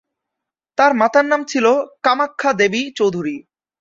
তার মাতার নাম ছিল কামাখ্যা দেবী চৌধুরী।